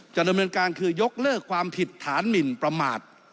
ดำเนินการคือยกเลิกความผิดฐานหมินประมาท